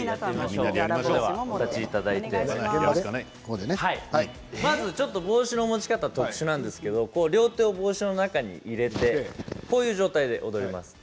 麦わら帽子を、お持ちいただいて帽子の持ち方特殊なんですけれども両手を帽子の中に入れてこういう状態で踊ります。